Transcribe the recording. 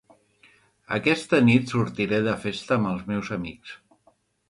Aquesta nit sortiré de festa amb els meus amics.